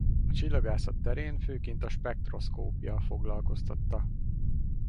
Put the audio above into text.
A csillagászat terén főként a spektroszkópia foglalkoztatta.